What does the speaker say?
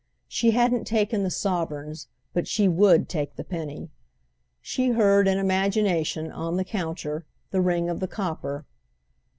She hadn't taken the sovereigns, but she would take the penny. She heard, in imagination, on the counter, the ring of the copper.